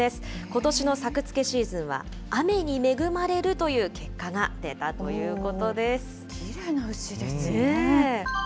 ことしの作付けシーズンは、雨に恵まれるという結果が出たということです。